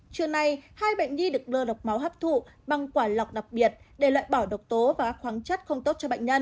trưa nay hai bệnh nhi được đưa độc máu hấp thụ bằng quả lọc đặc biệt để loại bỏ độc tố và khoáng chất không tốt cho bệnh nhân